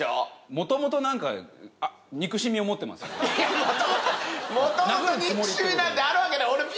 もともと憎しみなんてあるわけない。